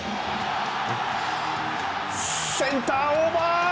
センターオーバー！